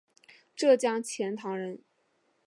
浙江钱塘人。